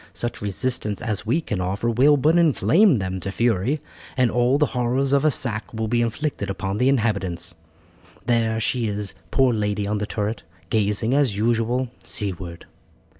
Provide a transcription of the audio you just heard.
Such resistance as we can offer will but inflame them to fury, and all the horrors of a sack will be inflicted upon the inhabitants. There she is, poor lady, on the turret, gazing, as usual, seaward."